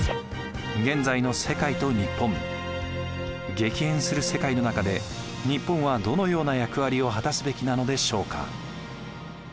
激変する世界の中で日本はどのような役割を果たすべきなのでしょうか？